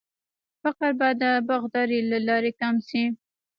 فقر به د باغدارۍ له لارې کم شي.